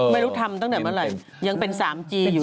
ไม่รู้ทำตั้งแต่เมื่อไหร่ยังเป็นสามจีอยู่